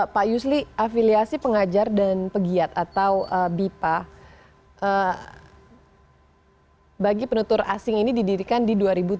pak yusli afiliasi pengajar dan pegiat atau bipa bagi penutur asing ini didirikan di dua ribu tujuh belas